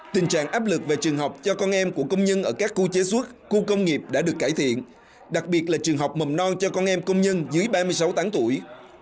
tình trạng áp lực về trường học cho con em của công nhân ở các khu chế xuất khu công nghiệp đã được cải thiện đặc biệt là trường học mầm non cho con em công nhân dưới ba mươi sáu tháng tuổi